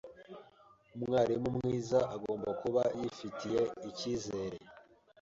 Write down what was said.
Umwarimu mwiza agomba kuba yifitiye ikizere